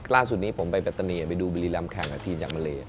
ล่าสุดนี้ผมไปปัตตานีไปดูบุรีรำแข่งกับทีมจากมาเล